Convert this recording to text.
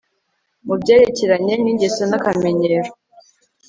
mu Byerekeranye nIngeso nAkamenyero